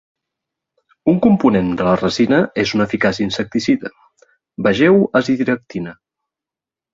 Un component de la resina és un eficaç insecticida; vegeu azadiractina.